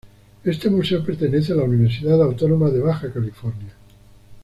Este museo pertenece a la Universidad Autónoma de Baja California.